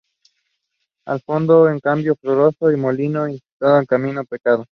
Al fondo, un camino frondoso y un molino, insinuando el camino del pecado.